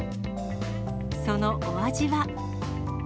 そのお味は。